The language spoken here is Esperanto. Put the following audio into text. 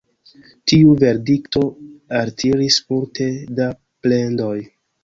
Tiu verdikto altiris multe da plendoj.